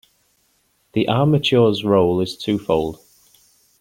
The armature's role is twofold.